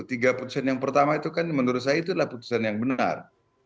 tiga putusan yang pertama itu kan menurut saya itu adalah putusan yang benar